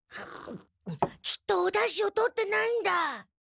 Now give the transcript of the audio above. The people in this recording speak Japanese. きっとおだしをとってないんだ。